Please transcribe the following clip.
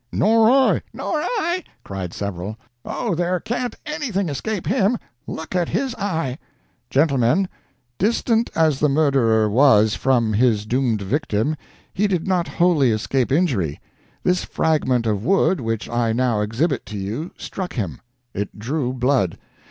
"Nor I!" "Nor I!" cried several. "Oh, there can't anything escape him look at his eye!" "Gentlemen, distant as the murderer was from his doomed victim, he did not wholly escape injury. This fragment of wood which I now exhibit to you struck him. It drew blood.